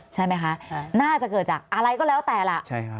ใช่ไหมคะน่าจะเกิดจากอะไรก็แล้วแต่ล่ะ